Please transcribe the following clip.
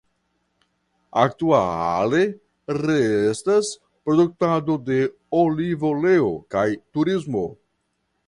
Aktuale restas produktado de olivoleo kaj turismo.